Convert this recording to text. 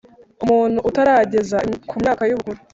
Umuntu utarageza ku myaka y ubukure